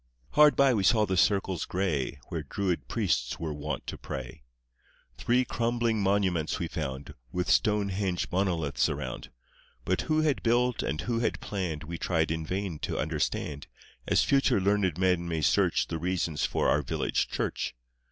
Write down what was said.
Hard by we saw the circles gray Where Druid priests were wont to pray. Three crumbling monuments we found, With Stonehenge monoliths around, But who had built and who had planned We tried in vain to understand, As future learned men may search The reasons for our village church.